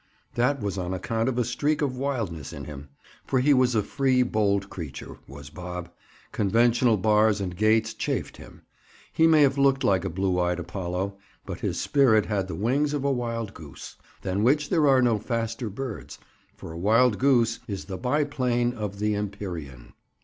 That was on account of a streak of wildness in him, for he was a free bold creature, was Bob. Conventional bars and gates chafed him. He may have looked like a "blue eyed Apollo," but his spirit had the wings of a wild goose, than which there are no faster birds—for a wild goose is the biplane of the empyrean.